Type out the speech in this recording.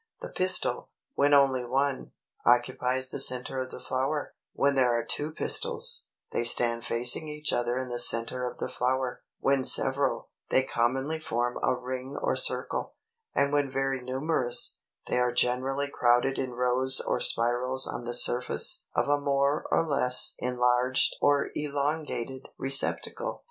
301. The PISTIL, when only one, occupies the centre of the flower; when there are two pistils, they stand facing each other in the centre of the flower; when several, they commonly form a ring or circle; and when very numerous, they are generally crowded in rows or spirals on the surface of a more or less enlarged or elongated receptacle.